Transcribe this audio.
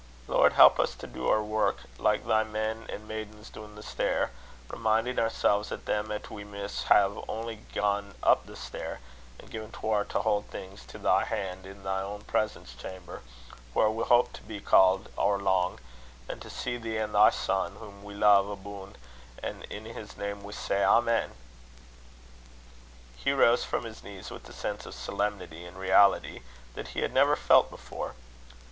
Lord help us to do oor wark like thy men an' maidens doon the stair, remin'in' oursel's, 'at them 'at we miss hae only gane up the stair, as gin 'twar to haud things to thy han' i' thy ain presence chamber, whaur we houp to be called or lang, an' to see thee an' thy Son, wham we lo'e aboon a'; an' in his name we say, Amen!" Hugh rose from his knees with a sense of solemnity and reality that he had never felt before.